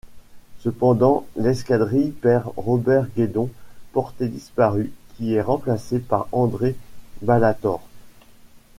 Cependant l'escadrille perd Robert Guédon, porté disparu, qui est remplacé par André Ballatore.